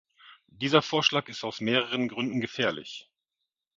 Dieser Vorschlag ist aus mehreren Gründen gefährlich.